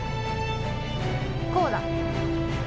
こうだ。